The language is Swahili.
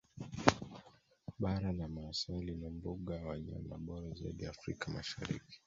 Bara la Maasai lina mbuga ya wanyama bora zaidi Afrika Mashariki